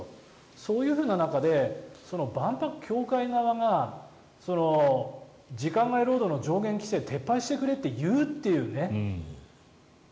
そういう中で万博協会側が時間外労働の上限規制を撤廃してくれと言うというね。